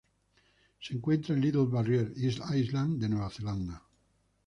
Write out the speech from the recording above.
Se encuentra en Little Barrier Island de Nueva Zelanda.